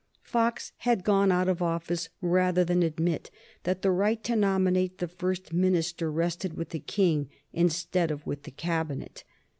Fox had gone out of office rather than admit that the right to nominate the first minister rested with the King instead of with the Cabinet.